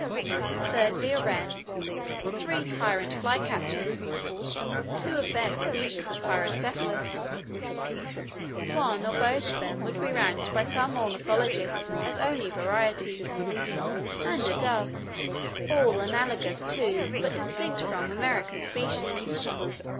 Thirdly, a wren, three tyrant flycatchers (two of them species of Pyrocephalus, one or both of which would be ranked by some ornithologists as only varieties), and a dove all analogous to, but distinct from, American species.